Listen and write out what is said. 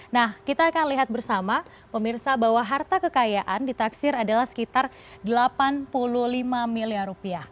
nah kita akan lihat bersama pemirsa bahwa harta kekayaan ditaksir adalah sekitar delapan puluh lima miliar rupiah